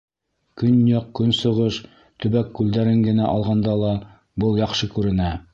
Көньяҡ-көнсығыш төбәк күлдәрен генә алғанда ла был яҡшы күренә.